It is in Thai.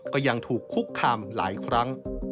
ก็ยังถูกคุกคามหลายครั้ง